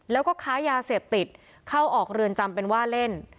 แล้วก็ค้ายาเสพติดเข้าออกเรือนจำเป็นว่าเล่น